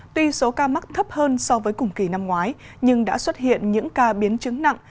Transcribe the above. tuy số ca mắc thấp hơn so với cùng kỳ năm ngoái nhưng đã xuất hiện những ca biến chứng nặng